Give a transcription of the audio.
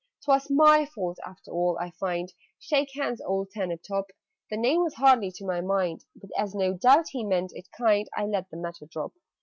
"'Twas my fault after all, I find Shake hands, old Turnip top!" The name was hardly to my mind, But, as no doubt he meant it kind, I let the matter drop.